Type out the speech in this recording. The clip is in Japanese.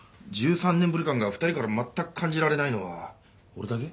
１３年ぶり感が２人からまったく感じられないのは俺だけ？